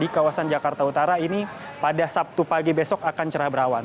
di kawasan jakarta utara ini pada sabtu pagi besok akan cerah berawan